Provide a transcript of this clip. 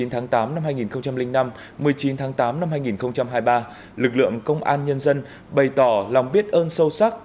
một mươi tháng tám năm hai nghìn năm một mươi chín tháng tám năm hai nghìn hai mươi ba lực lượng công an nhân dân bày tỏ lòng biết ơn sâu sắc